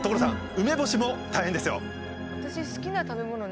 梅干しも大変ですよ。